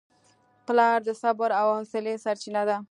پلار د صبر او حوصلې سرچینه ده.